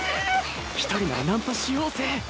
一人ならナンパしようぜ。